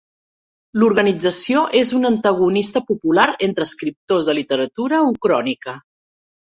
L'organització és un antagonista popular entre escriptors de literatura ucrònica.